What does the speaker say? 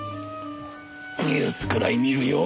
ニュースくらい見るよ。